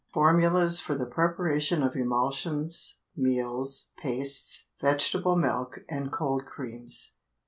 FORMULAS FOR THE PREPARATION OF EMULSIONS, MEALS, PASTES, VEGETABLE MILK, AND COLD CREAMS.